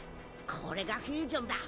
これがフュージョンだ。